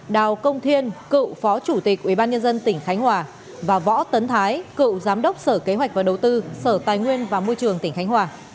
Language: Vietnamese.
đào công thiên cựu phó chủ tịch ubnd tỉnh khánh hòa và võ tấn thái cựu giám đốc sở kế hoạch và đầu tư sở tài nguyên và môi trường tỉnh khánh hòa